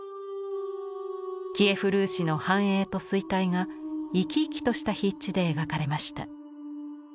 キエフ・ルーシの繁栄と衰退が生き生きとした筆致で描かれました。